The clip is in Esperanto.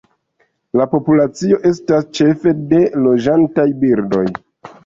La populacio estas ĉefe de loĝantaj birdoj.